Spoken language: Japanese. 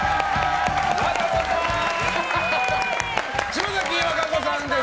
島崎和歌子さんです。